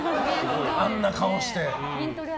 あんな顔して。